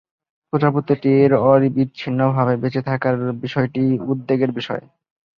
প্রজাতিটির অবিচ্ছিন্নভাবে বেঁচে থাকার বিষয়টি উদ্বেগের বিষয়।